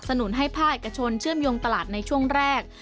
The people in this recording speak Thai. นุนให้ภาคเอกชนเชื่อมโยงตลาดในช่วงแรก